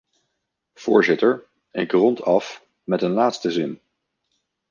Voorzitter, ik rond af met een laatste zin.